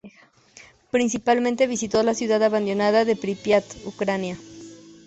Principalmente visitó la ciudad abandonada de Prípiat, Ucrania.